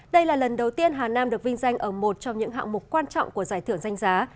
đây là lần đầu tiên hà nam được vinh danh ở một trong những hạng mục quan trọng của giải thưởng danh giá